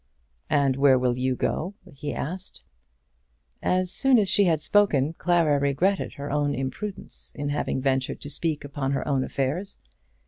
"And where will you go?" he asked. As soon as she had spoken, Clara regretted her own imprudence in having ventured to speak upon her own affairs.